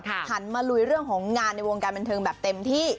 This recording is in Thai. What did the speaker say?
หันมาลุยเรื่องของงานในวงการบันเทิงแบบเต็มที่